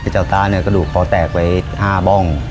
เจ้าตากระดูกคอแตกไป๕บ้อง